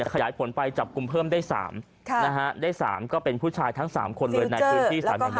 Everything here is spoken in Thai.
ขยายผลไปจับกลุ่มเพิ่มได้๓ฟิลเจอร์ฮัต